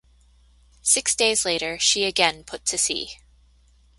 Six days later, she again put to sea.